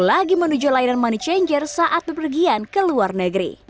lagi menuju layanan money changer saat bepergian ke luar negeri